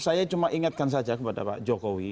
saya cuma ingatkan saja kepada pak jokowi